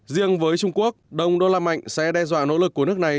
riêng với trung quốc đồng đô la mạnh sẽ đe dọa nỗ lực của nước này